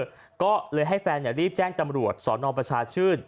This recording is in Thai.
ก็เลยให้แฟนรีบแจ้งตำรวจสอนอประชาชื่น